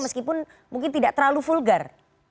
meskipun mungkin tidak terlalu vulgar